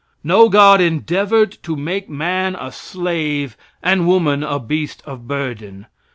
No god endeavored to make man a slave and woman a beast of burden.